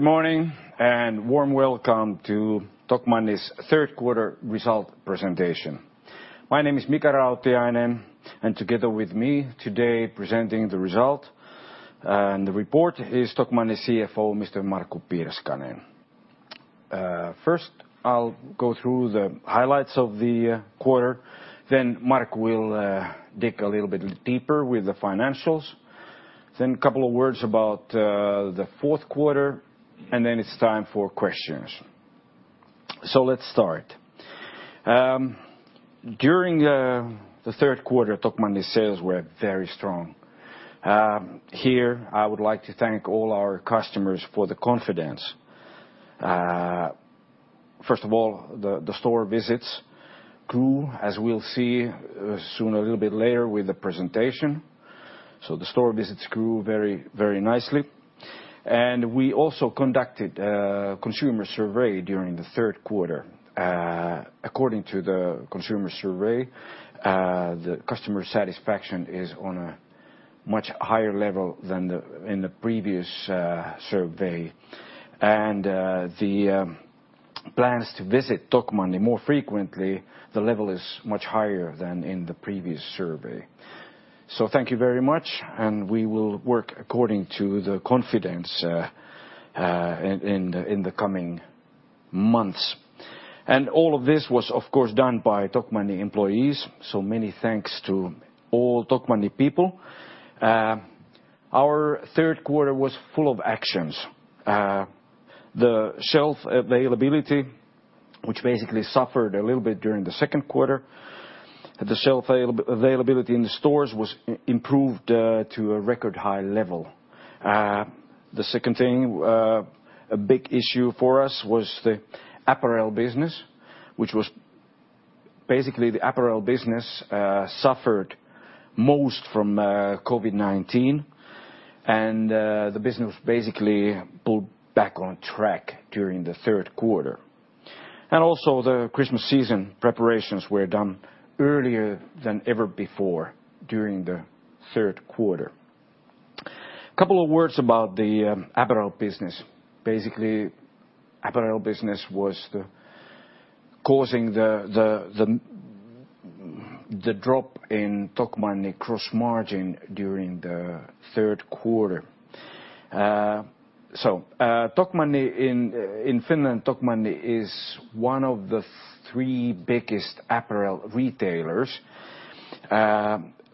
Good morning, warm welcome to Tokmanni's Third Quarter Result Presentation. My name is Mika Rautiainen, together with me today presenting the result and the report is Tokmanni CFO, Mr. Markku Pirskanen. First, I'll go through the highlights of the quarter, Markku will dig a little bit deeper with the financials. A couple of words about the fourth quarter, it's time for questions. Let's start. During the third quarter, Tokmanni sales were very strong. Here, I would like to thank all our customers for the confidence. First of all, the store visits grew, as we'll see soon a little bit later with the presentation. The store visits grew very nicely. We also conducted a consumer survey during the third quarter. According to the consumer survey, the customer satisfaction is on a much higher level than in the previous survey. The plans to visit Tokmanni more frequently, the level is much higher than in the previous survey. Thank you very much, and we will work according to the confidence in the coming months. All of this was, of course, done by Tokmanni employees, so many thanks to all Tokmanni people. Our third quarter was full of actions. The shelf availability, which basically suffered a little bit during the second quarter, the shelf availability in the stores was improved to a record high level. The second thing, a big issue for us was the apparel business. Basically, the apparel business suffered most from COVID-19, and the business basically pulled back on track during the third quarter. Also the Christmas season preparations were done earlier than ever before during the third quarter. Couple of words about the apparel business. Basically, apparel business was causing the drop in Tokmanni gross margin during the third quarter. In Finland, Tokmanni is one of the three biggest apparel retailers.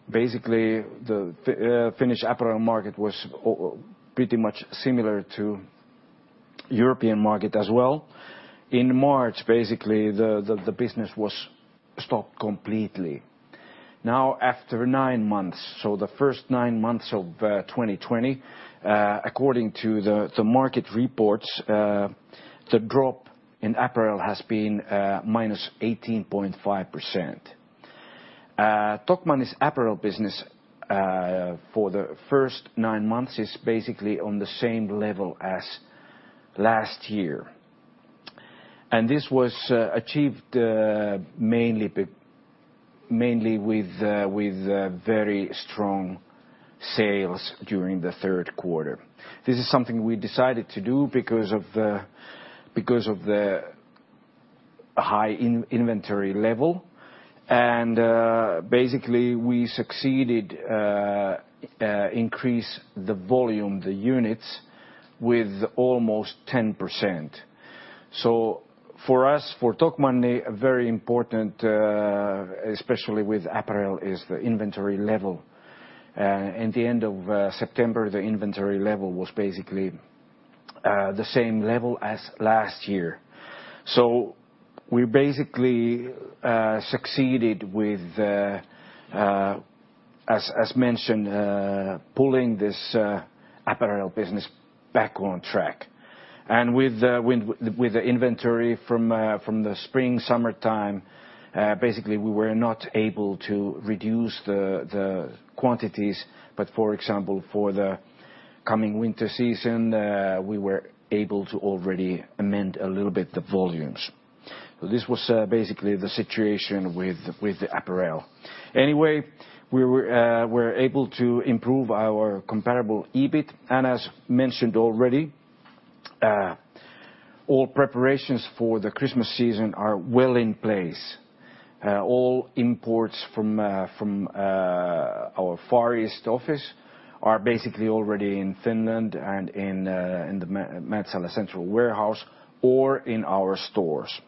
Basically, the Finnish apparel market was pretty much similar to European market as well. In March, basically, the business was stopped completely. Now after nine months, the first nine months of 2020, according to the market reports, the drop in apparel has been -18.5%. Tokmanni's apparel business for the first nine months is basically on the same level as last year. This was achieved mainly with very strong sales during the third quarter. This is something we decided to do because of the high inventory level, and basically, we succeeded increase the volume, the units, with almost 10%. For us, for Tokmanni, very important, especially with apparel, is the inventory level. In the end of September, the inventory level was basically the same level as last year. We basically succeeded with, as mentioned, pulling this apparel business back on track. With the inventory from the spring, summertime, basically, we were not able to reduce the quantities. For example, for the coming winter season, we were able to already amend a little bit the volumes. This was basically the situation with the apparel. Anyway, we were able to improve our comparable EBIT. As mentioned already, all preparations for the Christmas season are well in place. All imports from our Far East office are basically already in Finland and in the Mäntsälä central warehouse or in our stores.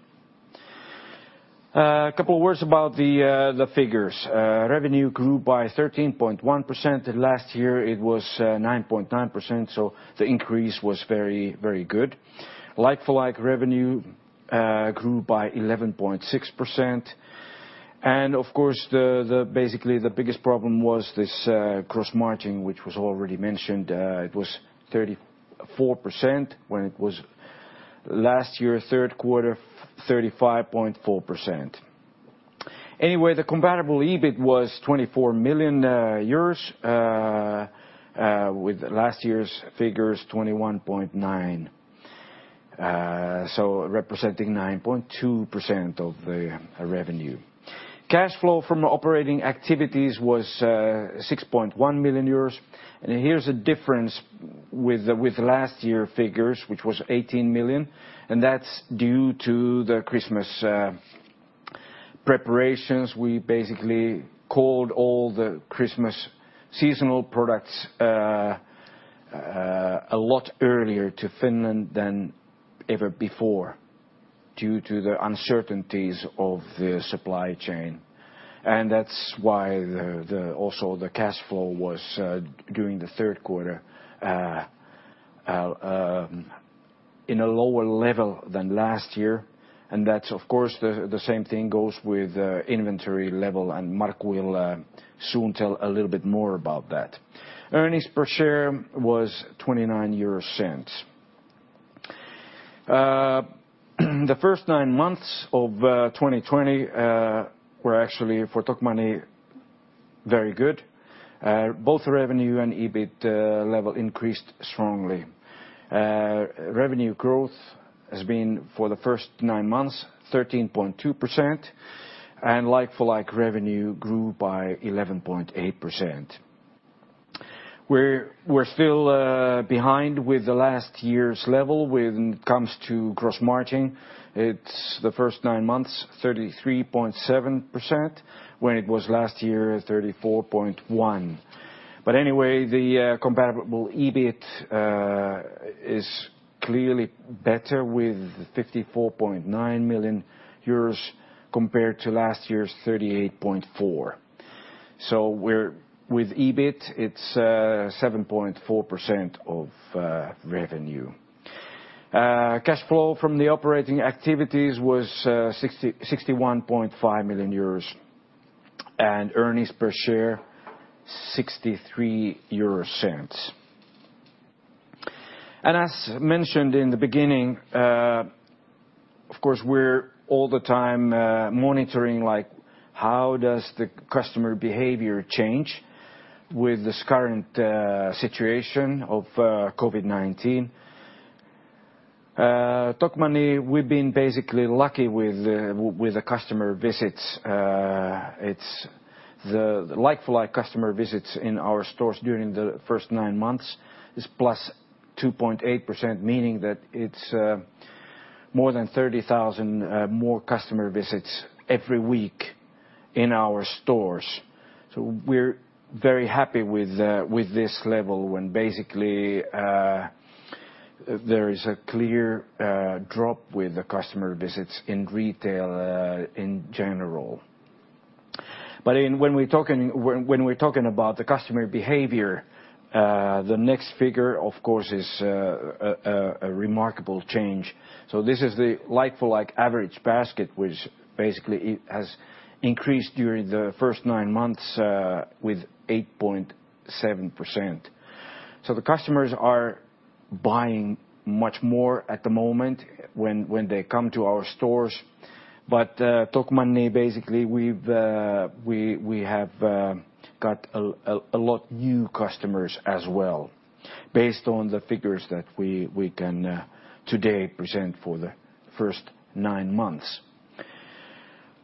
A couple of words about the figures. Revenue grew by 13.1%. Last year it was 9.9%, the increase was very good. Like-for-like revenue grew by 11.6%. Of course, basically the biggest problem was this gross margin, which was already mentioned. It was 34% when it was last year, third quarter, 35.4%. The comparable EBIT was EUR 24 million, with last year's figures 21.9, representing 9.2% of the revenue. Cash flow from operating activities was 6.1 million euros. Here's a difference with last year figures, which was 18 million, and that's due to the Christmas preparations. We basically called all the Christmas seasonal products a lot earlier to Finland than ever before due to the uncertainties of the supply chain. That's why also the cash flow was, during the third quarter, in a lower level than last year. Of course, the same thing goes with the inventory level, and Markku will soon tell a little bit more about that. Earnings per share was 0.29. The first nine months of 2020 were actually, for Tokmanni, very good. Both revenue and EBIT level increased strongly. Revenue growth has been, for the first nine months, 13.2%, like-for-like revenue grew by 11.8%. We're still behind with the last year's level when it comes to gross margin. It's the first nine months, 33.7%, when it was last year at 34.1%. Anyway, the comparable EBIT is clearly better with 54.9 million euros compared to last year's 38.4 million. With EBIT, it's 7.4% of revenue. Cash flow from the operating activities was 61.5 million euros, earnings per share 0.63. As mentioned in the beginning, of course, we're all the time monitoring how does the customer behavior change with this current situation of COVID-19. Tokmanni, we've been basically lucky with the customer visits. The like-for-like customer visits in our stores during the first nine months is plus 2.8%, meaning that it's more than 30,000 more customer visits every week in our stores. We're very happy with this level when basically there is a clear drop with the customer visits in retail in general. When we're talking about the customer behavior, the next figure, of course, is a remarkable change. This is the like-for-like average basket, which basically it has increased during the first nine months with 8.7%. The customers are buying much more at the moment when they come to our stores. Tokmanni, basically, we have got a lot new customers as well based on the figures that we can today present for the first nine months.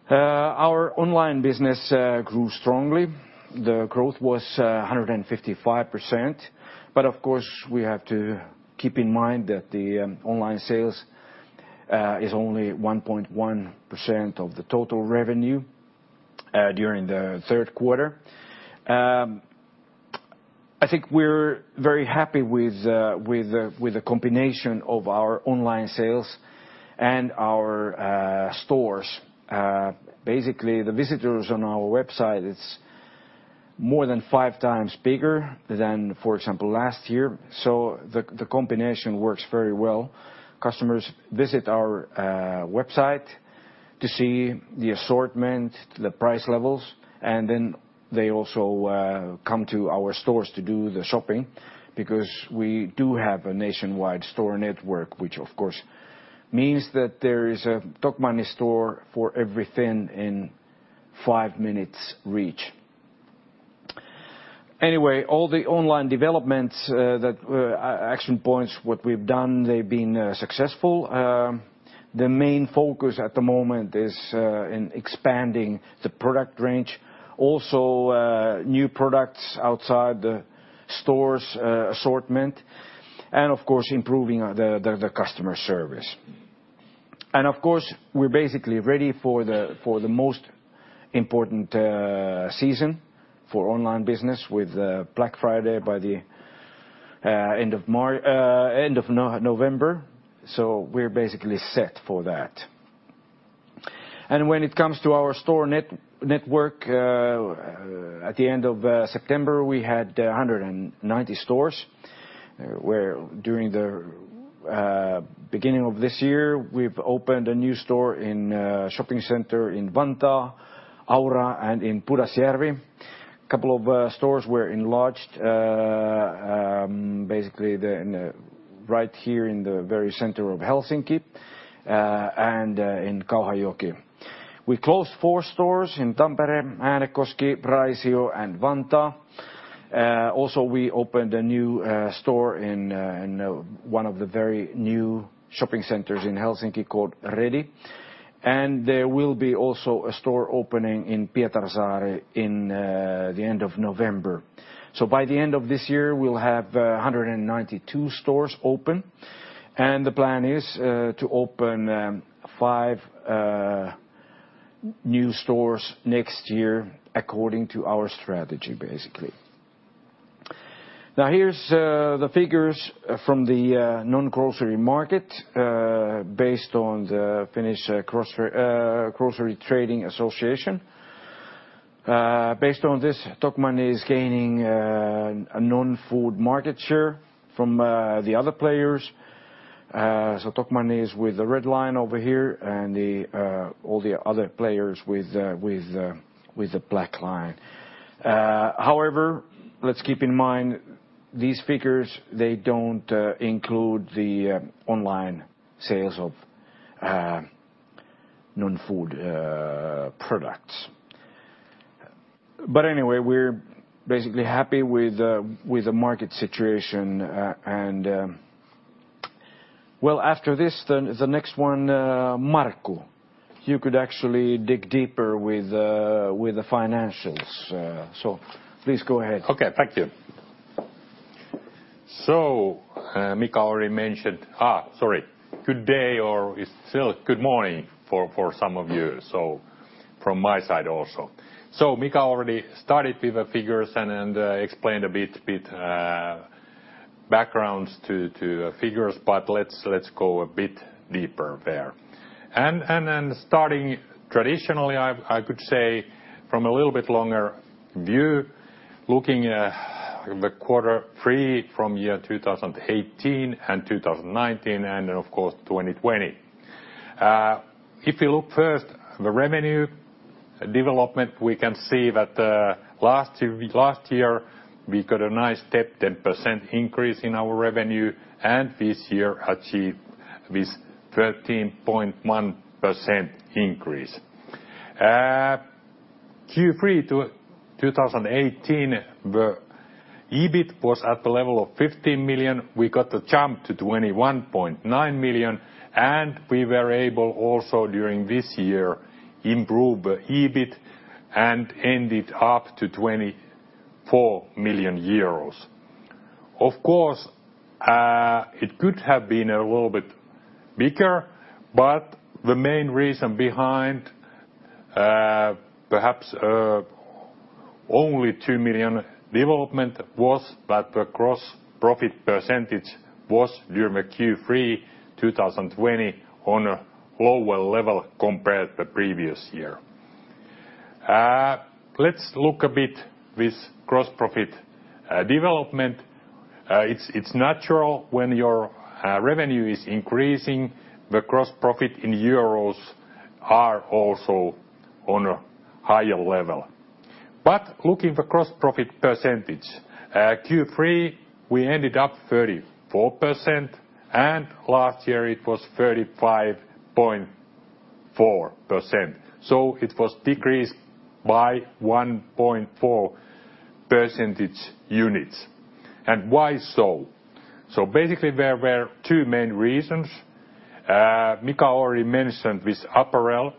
Our online business grew strongly. The growth was 155%. Of course, we have to keep in mind that the online sales is only 1.1% of the total revenue during the third quarter. I think we're very happy with the combination of our online sales and our stores. Basically, the visitors on our website, it's more than five times bigger than, for example, last year. The combination works very well. Customers visit our website to see the assortment, the price levels, and then they also come to our stores to do the shopping because we do have a nationwide store network, which of course means that there is a Tokmanni store for everything in five minutes reach. Anyway, all the online developments that were action points, what we've done, they've been successful. The main focus at the moment is in expanding the product range. Also new products outside the store's assortment and, of course, improving the customer service. Of course, we're basically ready for the most important season for online business with Black Friday by the end of November. We're basically set for that. When it comes to our store network, at the end of September, we had 190 stores, where during the beginning of this year, we've opened a new store in a shopping center in Vantaa, Aura, and in Padasjoki. A couple of stores were enlarged basically right here in the very center of Helsinki, and in Kauhajoki. We closed four stores in Tampere, Äänekoski, Raisio, and Vantaa. Also, we opened a new store in one of the very new shopping centers in Helsinki called Redi, and there will be also a store opening in Pietarsaari in the end of November. By the end of this year, we'll have 192 stores open, and the plan is to open five new stores next year according to our strategy, basically. Here's the figures from the non-grocery market based on the Finnish Grocery Trade Association. Based on this, Tokmanni is gaining a non-food market share from the other players. Tokmanni is with the red line over here and all the other players with the black line. However, let's keep in mind these figures, they don't include the online sales of non-food products. Anyway, we're basically happy with the market situation. Well, after this, the next one, Markku. You could actually dig deeper with the financials. Please go ahead. Thank you. Mika already mentioned, sorry. Good day, or it is still good morning for some of you, from my side also. Mika already started with the figures and explained a bit backgrounds to figures, let's go a bit deeper there. Starting traditionally, I could say from a little bit longer view, looking at the quarter three from 2018 and 2019, of course, 2020. If you look first the revenue development, we can see that last year, we got a nice step, 10% increase in our revenue, this year achieved this 13.1% increase. Q3 to 2018, the EBIT was at the level of 15 million. We got a jump to 21.9 million, we were able also during this year improve the EBIT and end it up to 24 million euros. Of course, it could have been a little bit bigger, but the main reason behind perhaps only 2 million development was that the gross profit percentage was during the Q3 2020 on a lower level compared the previous year. Let's look a bit this gross profit development. It's natural when your revenue is increasing, the gross profit in EUR are also on a higher level. Looking the gross profit percentage, Q3, we ended up 34%, and last year it was 35.4%. It was decreased by 1.4 percentage units. Why so? Basically there were two main reasons. Mika already mentioned this apparel.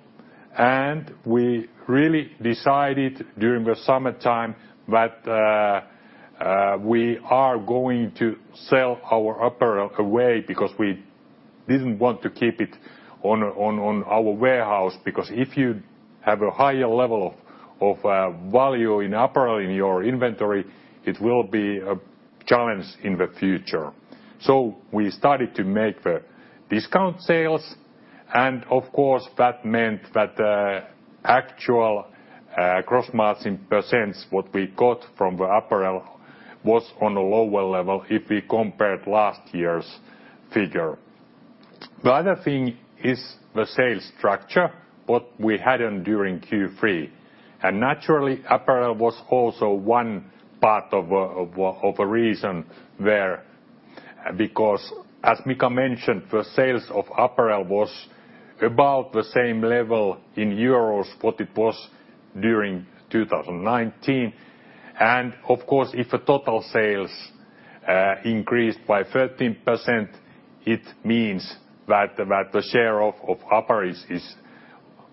We really decided during the summertime that we are going to sell our apparel away because we didn't want to keep it on our warehouse, because if you have a higher level of value in apparel in your inventory, it will be a challenge in the future. We started to make the discount sales. Of course, that meant that the actual gross margin % what we got from the apparel was on a lower level if we compared last year's figure. The other thing is the sales structure, what we had during Q3. Naturally, apparel was also one part of a reason there, because as Mika mentioned, the sales of apparel was about the same level in euros what it was during 2019. Of course, if the total sales increased by 13%, it means that the share of apparel is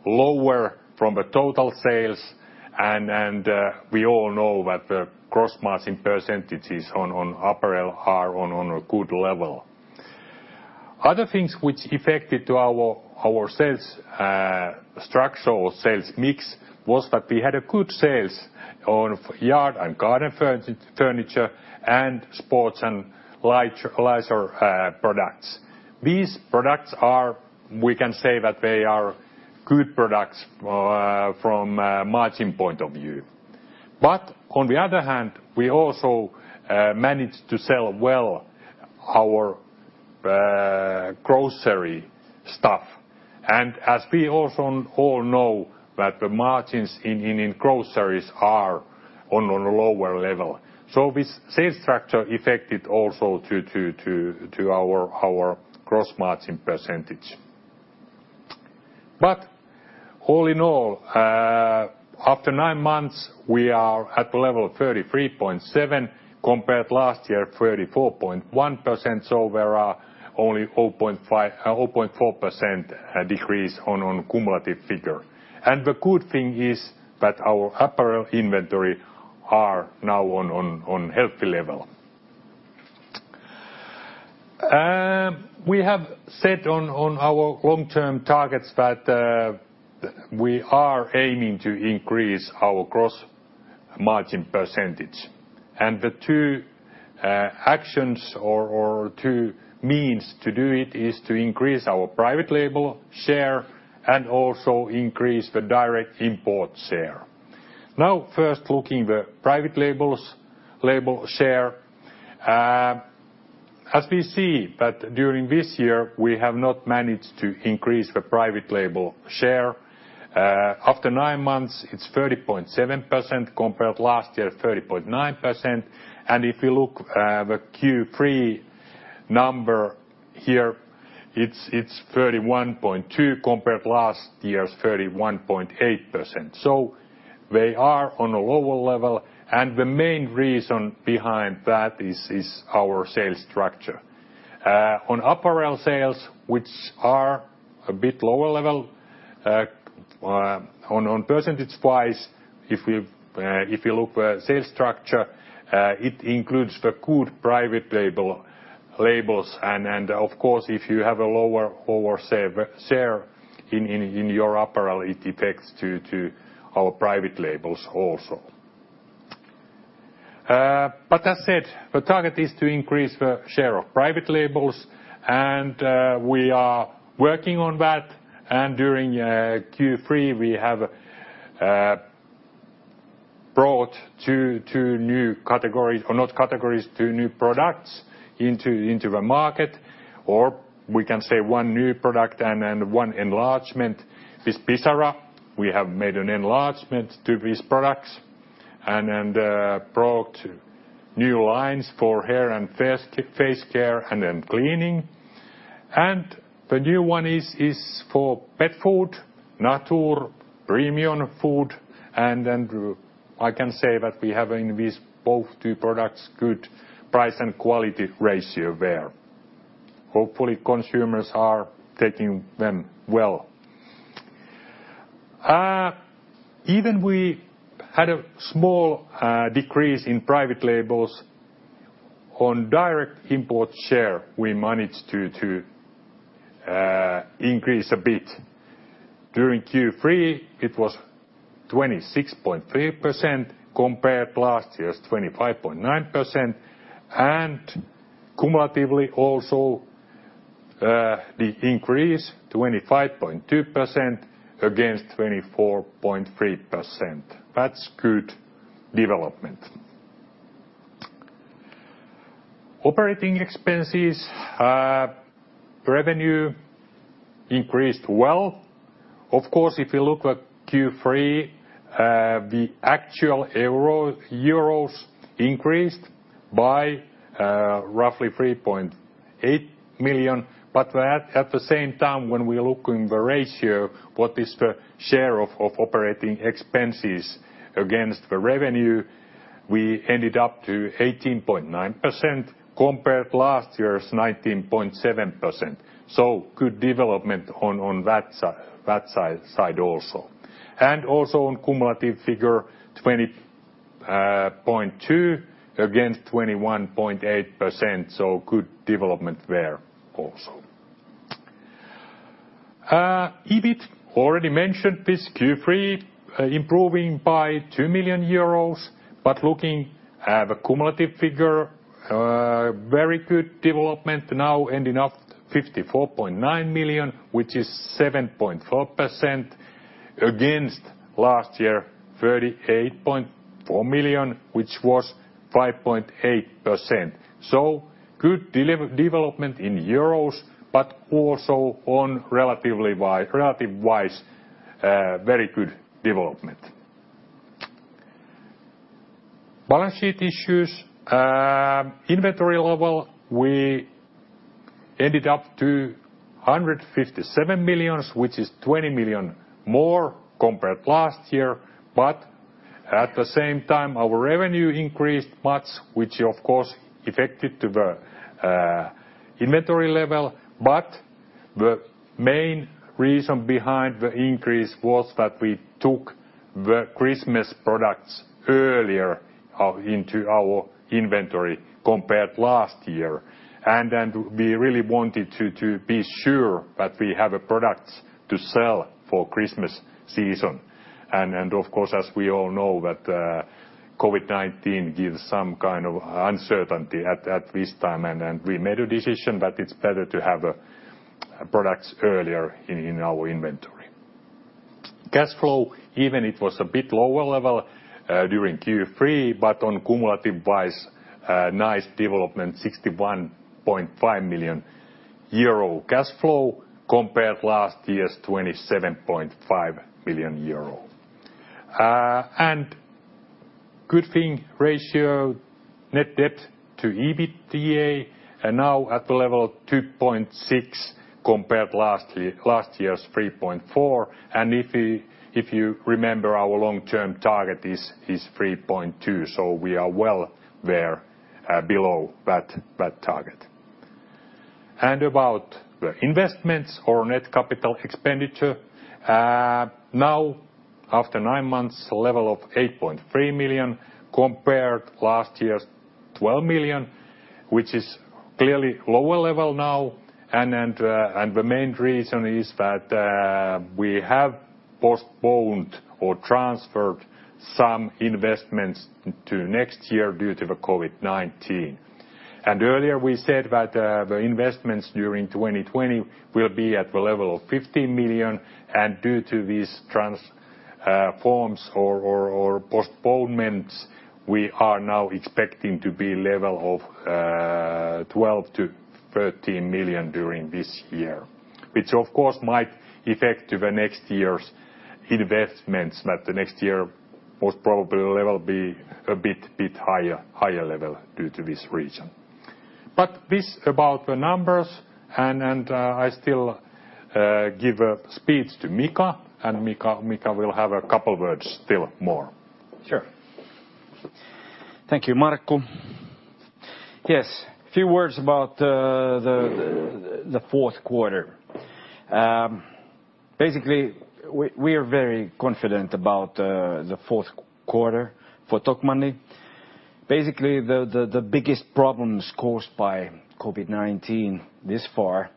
lower from the total sales and we all know that the gross margin percentages on apparel are on a good level. Other things which affected to our sales structure or sales mix was that we had a good sales on yard and garden furniture and sports and leisure products. These products are we can say that they are good products from a margin point of view. On the other hand, we also managed to sell well our grocery stuff. As we also all know that the margins in groceries are on a lower level. This sales structure affected also to our gross margin percentage. All in all, after nine months, we are at the level of 33.7% compared last year, 34.1%. There are only 0.4% decrease on cumulative figure. The good thing is that our apparel inventory are now on healthy level. We have said on our long-term targets that we are aiming to increase our gross margin percentage. The two actions or two means to do it is to increase our private label share and also increase the direct import share. Now, first looking the private label share. As we see that during this year, we have not managed to increase the private label share. After nine months, it's 30.7% compared last year, 30.9%. If you look the Q3 number here, it's 31.2% compared to last year's 31.8%. They are on a lower level, and the main reason behind that is our sales structure. On apparel sales, which are a bit lower level, on percentage-wise, if you look at sales structure, it includes the good private labels. Of course, if you have a lower share in your apparel, it affects to our private labels also. As said, the target is to increase the share of private labels, and we are working on that. During Q3, we have brought two new categories, or not categories, two new products into the market, or we can say one new product and one enlargement. This Pisara, we have made an enlargement to these products and brought new lines for hair and face care and then cleaning. The new one is for pet food, NATUR, premium food. I can say that we have in this both two products, good price and quality ratio there. Hopefully, consumers are taking them well. Even we had a small decrease in private labels on direct import share, we managed to increase a bit. During Q3, it was 26.3% compared to last year's 25.9%, and cumulatively also, the increase 25.2% against 24.3%. That's good development. Operating expenses, revenue increased well. Of course, if you look at Q3, the actual Euro increased by roughly 3.8 million. At the same time, when we look in the ratio, what is the share of operating expenses against the revenue, we ended up to 18.9% compared to last year's 19.7%. Good development on that side also. Also on cumulative figure, 20.2% against 21.8%, good development there also. EBIT, already mentioned this Q3, improving by 2 million euros, but looking at the cumulative figure, very good development now ending up 54.9 million, which is 7.4% against last year, 38.4 million, which was 5.8%. Good development in EUR, but also on relative wise, very good development. Balance sheet issues, inventory level, we ended up to 157 million, which is 20 million more compared to last year. At the same time, our revenue increased much, which of course, affected to the inventory level. But the main reason behind the increase was that we took the Christmas products earlier into our inventory compared to last year. We really wanted to be sure that we have products to sell for Christmas season. Of course, as we all know that COVID-19 gives some kind of uncertainty at this time. We made a decision that it's better to have products earlier in our inventory. Cash flow, even it was a bit lower level during Q3, but on cumulative wise, nice development, 61.5 million euro cash flow compared to last year's 27.5 million euro. Good thing ratio, net debt to EBITDA, now at the level of 2.6 compared last year's 3.4. If you remember, our long-term target is 3.2, we are well below that target. About the investments or net capital expenditure. Now, after nine months, a level of 8.3 million compared last year's 12 million, which is clearly lower level now. The main reason is that we have postponed or transferred some investments to next year due to the COVID-19. Earlier we said that the investments during 2020 will be at the level of 15 million, due to these transforms or postponements, we are now expecting to be level of 12 million-13 million during this year. Which of course might affect the next year's investments, that the next year most probably level be a bit higher level due to this reason. This about the numbers. I still give speech to Mika. Mika will have a couple words still more. Sure. Thank you, Markku. Yes, a few words about the fourth quarter. We are very confident about the fourth quarter for Tokmanni. The biggest problems caused by COVID-19 this far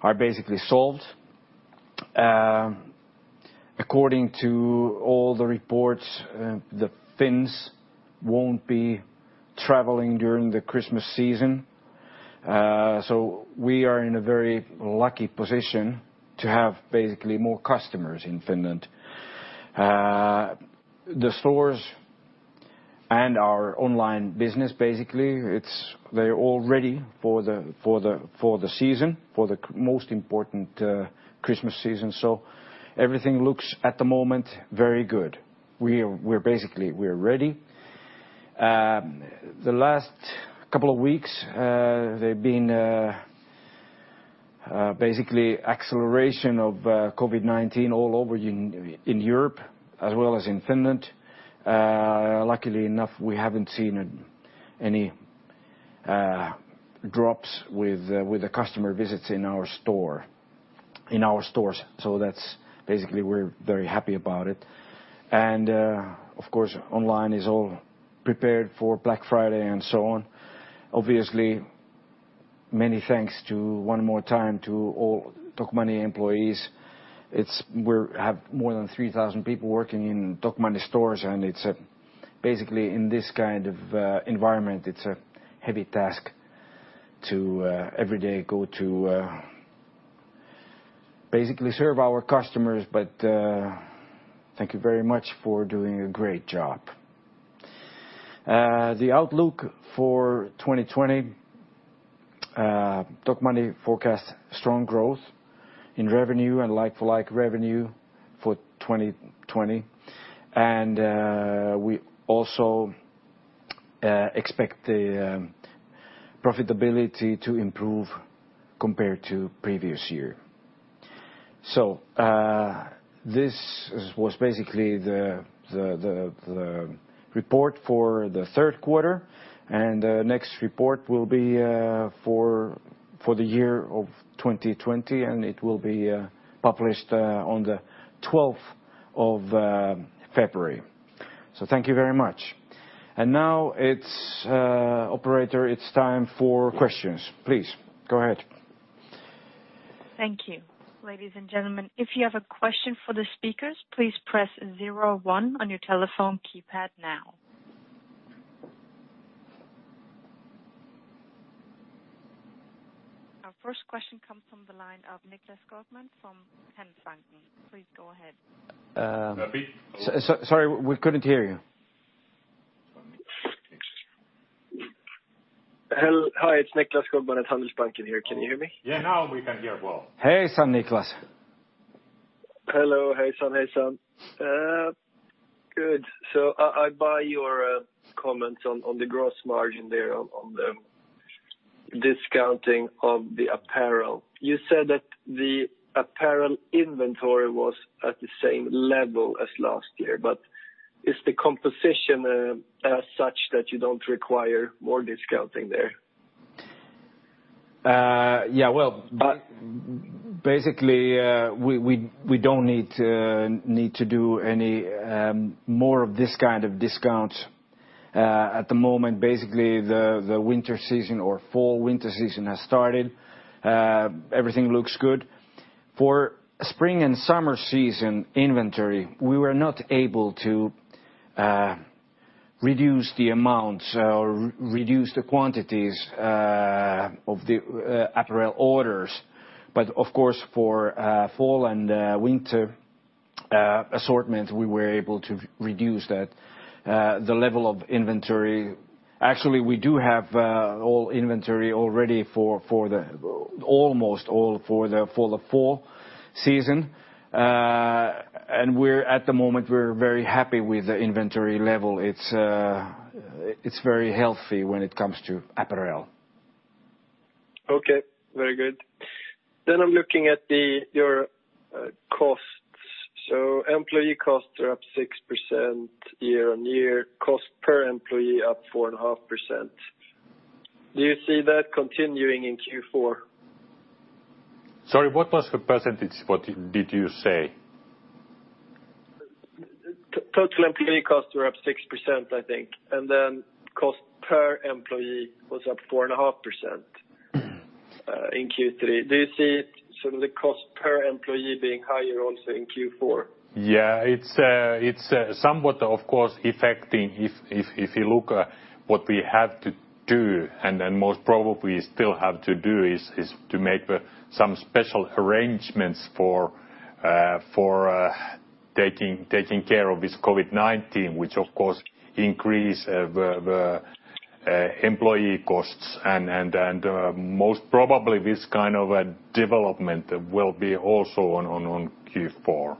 are basically solved. According to all the reports, the Finns won't be traveling during the Christmas season. We are in a very lucky position to have basically more customers in Finland. The stores and our online business, basically they're all ready for the season, for the most important Christmas season. Everything looks, at the moment, very good. We are ready. The last couple of weeks, they've been basically acceleration of COVID-19 all over in Europe as well as in Finland. Luckily enough, we haven't seen any drops with the customer visits in our stores. That's basically, we're very happy about it. Of course, online is all prepared for Black Friday and so on. Obviously, many thanks to, one more time, to all Tokmanni employees. We have more than 3,000 people working in Tokmanni stores, and it's basically in this kind of environment, it's a heavy task to every day go to basically serve our customers, but thank you very much for doing a great job. The outlook for 2020, Tokmanni forecasts strong growth in revenue and like-for-like revenue for 2020. We also expect the profitability to improve compared to previous year. This was basically the report for the third quarter, and next report will be for the year of 2020, and it will be published on the 12th of February. Thank you very much. Now it's, operator, it's time for questions. Please, go ahead. Thank you. Ladies and gentlemen, if you have a question for the speakers, please press zero one on your telephone keypad now. Our first question comes from the line of Nicklas Skogman from Handelsbanken. Please go ahead. Sorry, we couldn't hear you. Hi, it's Nicklas Skogman at Handelsbanken here. Can you hear me? Yeah, now we can hear well. Hey, Nicklas. Hello. Good. I buy your comments on the gross margin there on the discounting of the apparel. You said that the apparel inventory was at the same level as last year, but is the composition as such that you don't require more discounting there? Yeah. Well, basically, we don't need to do any more of this kind of discount at the moment. Basically, the winter season or fall-winter season has started. Everything looks good. For spring and summer season inventory, we were not able to reduce the amounts or reduce the quantities of the apparel orders. Of course, for fall and winter assortment, we were able to reduce that. The level of inventory Actually, we do have all inventory already, almost all for the fall season. At the moment, we're very happy with the inventory level. It's very healthy when it comes to apparel. Okay. Very good. I'm looking at your costs. Employee costs are up 6% year-over-year, cost per employee up 4.5%. Do you see that continuing in Q4? Sorry, what was the percentage did you say? Total employee costs were up 6%, I think, and then cost per employee was up 4.5% in Q3. Do you see the cost per employee being higher also in Q4? Yeah. It's somewhat, of course, affecting if you look what we have to do, and then most probably still have to do is to make some special arrangements for taking care of this COVID-19, which, of course, increase the employee costs. Most probably this kind of a development will be also on Q4.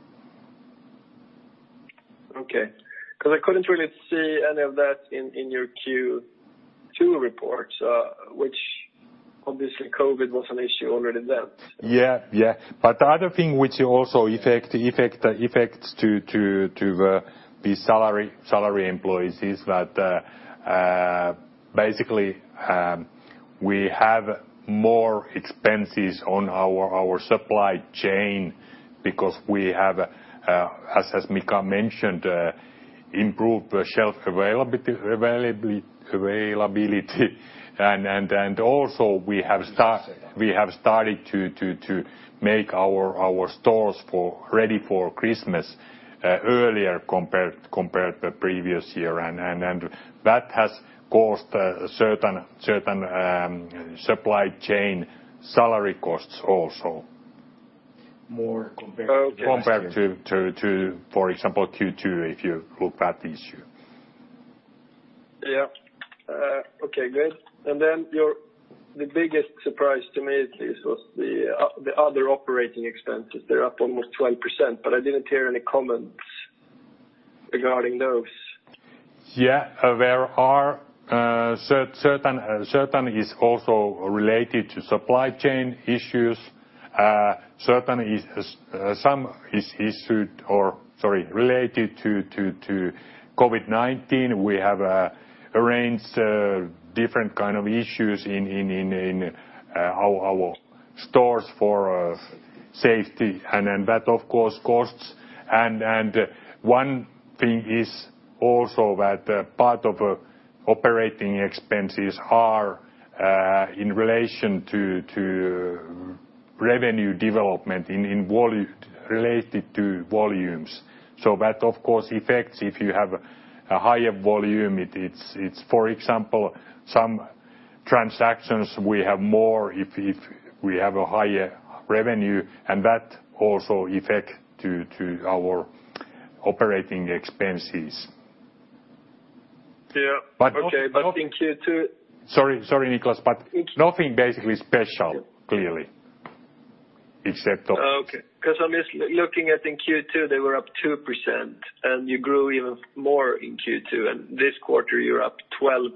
Okay. I couldn't really see any of that in your Q2 reports, which obviously COVID was an issue already then. Yeah. The other thing which also affects to the salary employees is that, basically, we have more expenses on our supply chain because we have, as Mika mentioned, improved shelf availability. Also we have started to make our stores ready for Christmas earlier compared to previous year. That has caused certain supply chain salary costs also. More compared to last year. Compared to, for example, Q2, if you look at the issue. Yeah. Okay, good. The biggest surprise to me was the other operating expenses. They're up almost 12%, I didn't hear any comments regarding those. Yeah. Certain is also related to supply chain issues. Some is related to COVID-19. We have arranged different kind of issues in our stores for safety, and then that of course costs. One thing is also that part of operating expenses are in relation to revenue development related to volumes. That, of course, affects if you have a higher volume, for example, some transactions we have more if we have a higher revenue, and that also affect to our operating expenses. Yeah. Okay. In Q2. Sorry, Nicklas, nothing basically special, clearly, except those. Okay. I'm just looking at in Q2, they were up 2%, and you grew even more in Q2, and this quarter you're up 12%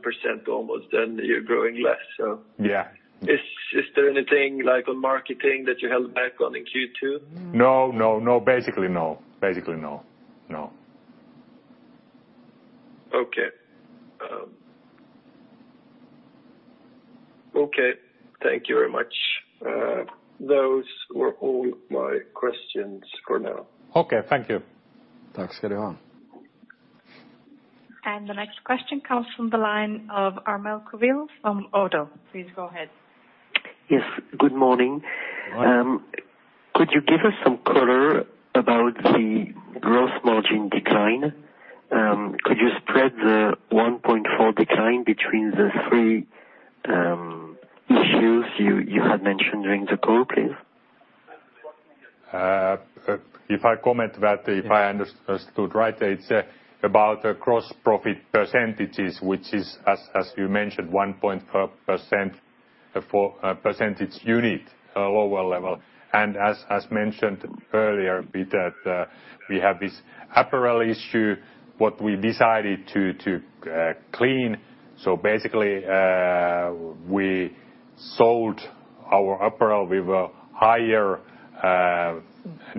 almost, and you're growing less. Yeah. Is there anything like a marketing that you held back on in Q2? No. Basically, no. Okay. Thank you very much. Those were all my questions for now. Okay, thank you. The next question comes from the line of Armel Coville from ODDO. Please go ahead. Yes. Good morning. Good morning. Could you give us some color about the gross margin decline? Could you spread the 1.4% decline between the three issues you had mentioned during the call, please? If I comment that, if I understood right, it's about gross profit percentages, which is, as you mentioned, 1.4% percentage unit lower level. As mentioned earlier, be that we have this apparel issue, what we decided to clean. Basically, we sold our apparel with higher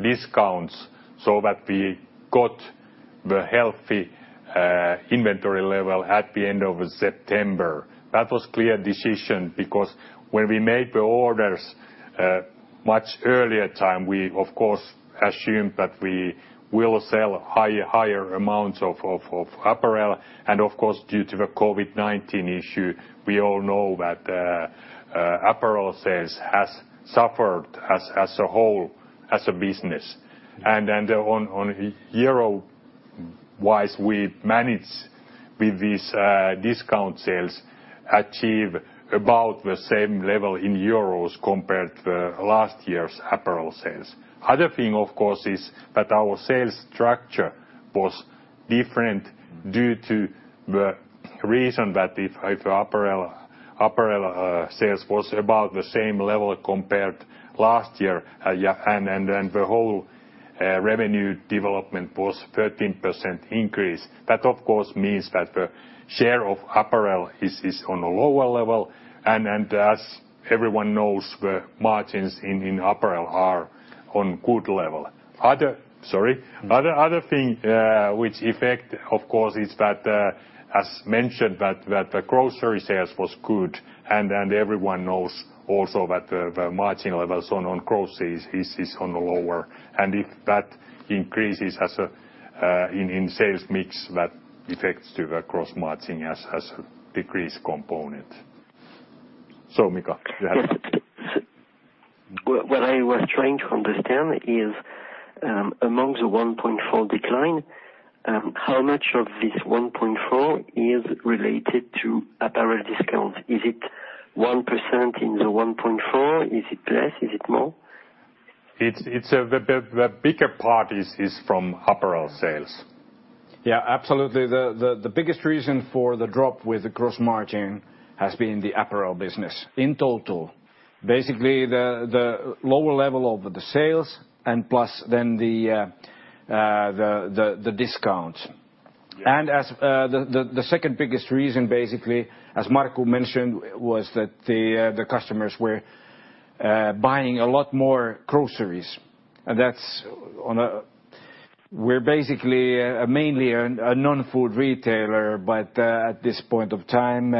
discounts so that we got the healthy inventory level at the end of September. That was clear decision because when we made the orders much earlier time, we of course assumed that we will sell higher amounts of apparel. Due to the COVID-19 issue, we all know that apparel sales has suffered as a whole, as a business. On Euro-wise, we manage with these discount sales achieve about the same level in Euro compared to last year's apparel sales. Other thing, of course, is that our sales structure was different due to the reason that if apparel sales was about the same level compared last year, and then the whole revenue development was 13% increase. That of course means that the share of apparel is on a lower level, and as everyone knows, the margins in apparel are on good level. Other thing which affect, of course, is that, as mentioned, that the grocery sales was good and everyone knows also that the margin levels on groceries is on the lower. If that increases in sales mix, that affects to the gross margin as a decrease component. Mika? Yes. What I was trying to understand is, amongst the 1.4% decline, how much of this 1.4% is related to apparel discount? Is it 1% in the 1.4? Is it less? Is it more? The bigger part is from apparel sales. Yeah, absolutely. The biggest reason for the drop with the gross margin has been the apparel business in total, basically the lower level of the sales and plus then the discount. The second biggest reason, basically, as Markku mentioned, was that the customers were buying a lot more groceries. We're basically mainly a non-food retailer, but at this point of time,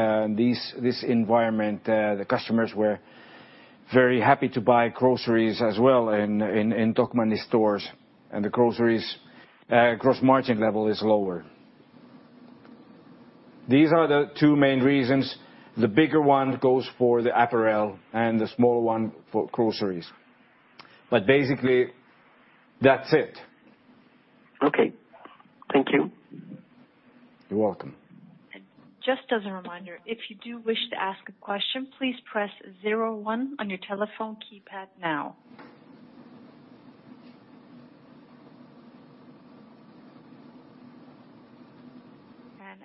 this environment, the customers were very happy to buy groceries as well in Tokmanni stores, and the groceries gross margin level is lower. These are the two main reasons. The bigger one goes for the apparel and the smaller one for groceries. Basically, that's it. Okay. Thank you. You're welcome. Just as a reminder.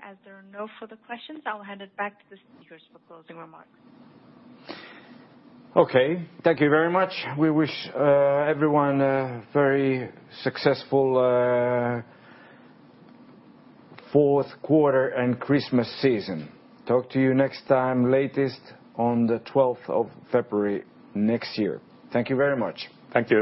As there are no further questions, I will hand it back to the speakers for closing remarks. Okay. Thank you very much. We wish everyone a very successful fourth quarter and Christmas season. Talk to you next time, latest on the 12th of February next year. Thank you very much. Thank you.